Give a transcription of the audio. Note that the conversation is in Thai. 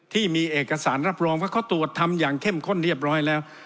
ที่มีเอกสารรับรองว่าเขาตรวจทำอย่างเข้มข้นเรียบร้อยแล้ว